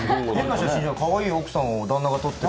かわいい奥さんを旦那が撮ってる。